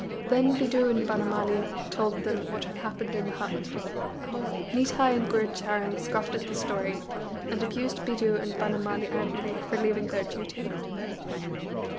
Then Bidhu and Banamali told them what had happened in the hut. Nitai and Gurucharan scoffed at the story, and abused Bidhu and Banamali angrily for leaving their duty.